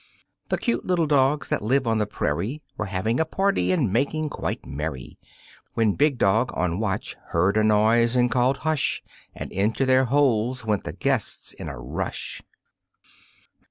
The cute little dogs that live on the prairie Were having a party and making quite merry, When Big Dog, on watch, heard a noise and called "Hush!" And into their holes went the guests in a rush!